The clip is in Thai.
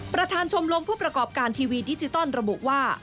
ประธานชมรมผู้ประกอบการทีวีดิจิตอลระบุว่า